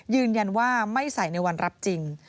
ยืนยันว่าไม่ใส่ในวันรับจริง